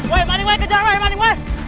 woi mending kejar woi mending